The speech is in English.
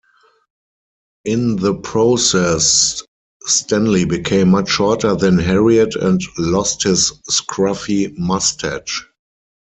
In the process, Stanley became much shorter than Harriet and lost his scruffy mustache.